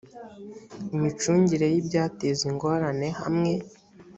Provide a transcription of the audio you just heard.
imicungire y ibyateza ingorane hamwe